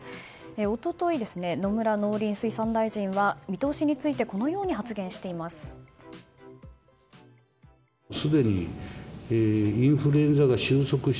一昨日、野村農林水産大臣は見通しについてこのように発言しています。